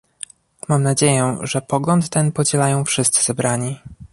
Mam nadzieję, że pogląd ten podzielają wszyscy zebrani